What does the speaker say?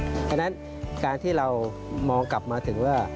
เพราะฉะนั้นการที่เรามองกลับมาถึงว่า